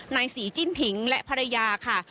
นายศรีจิ้นผิงและภรรยาค่ะ